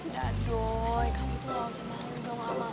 dadoy kamu tuh gak usah malu dong sama aku